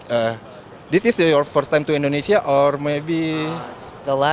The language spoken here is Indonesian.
ketika yang pertama saya berubah ke indonesia pada tahun dua ribu lima belas jadi sembilan tahun lalu